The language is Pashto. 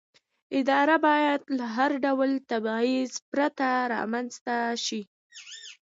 اداره باید له هر ډول تبعیض پرته رامنځته شي.